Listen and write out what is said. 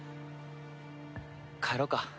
帰ろうか。